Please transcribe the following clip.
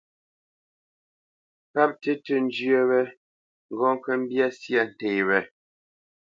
Páp tí tʉ̄ njyə́ wé ŋgɔ́ kə́ mbyá syâ nté wé.